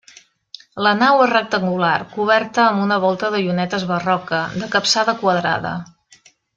La nau és rectangular, coberta amb una volta de llunetes barroca, de capçada quadrada.